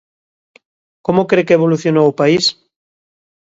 Como cre que evolucionou o país?